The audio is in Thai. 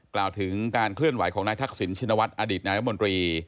กล่าวถึงการเคลื่อนไหวของนายทักษิณชินวัฒน์อดีตนายรัฐมนตรี